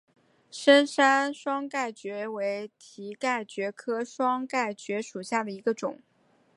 深山双盖蕨为蹄盖蕨科双盖蕨属下的一个种。